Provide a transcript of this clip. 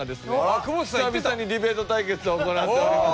久々にディベート対決を行っております。